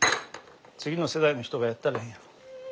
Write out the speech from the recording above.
次の世代の人がやったらええやん。